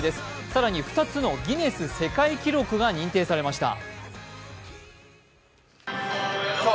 更に２つのギネス世界記録が認定されました。